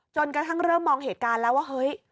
จนกระทั่งเริ่มมองเหตุการณ์แล้วว่าเฮ้ย